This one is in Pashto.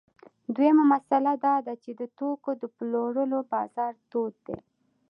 دویمه مسئله دا ده چې د توکو د پلورلو بازار تود دی